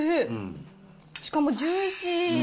しかもジューシー。